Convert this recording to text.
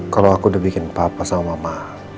kalau aku udah bikin papa sama mama